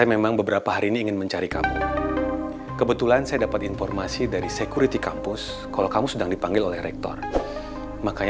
emangnya ada urusan apa ya om